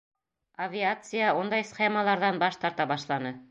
Авиация ундай схемаларҙан баш тарта башланы.